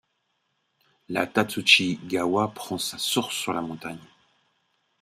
La Tatsuushi-gawa prend sa source sur la montagne.